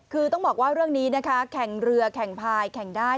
คือต้องบอกว่าเรื่องนี้นะคะแข่งเรือแข่งพายแข่งได้